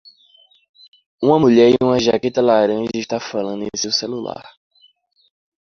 Uma mulher em uma jaqueta laranja está falando em seu celular.